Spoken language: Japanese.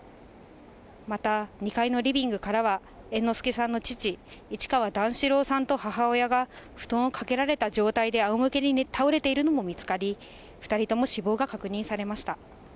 また、２階のリビングからは、猿之助さんの父、市川段四郎さんと母親が、布団をかけられた状態であおむけに倒れているのも見つかり、２人とも死亡が確認されました。